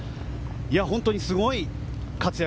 本当にすごい活躍。